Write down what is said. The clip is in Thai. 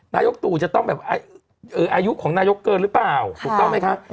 นายกตู่จะต้องแบบอายุของนายกเกินหรือเปล่าถูกต้องไหมคะ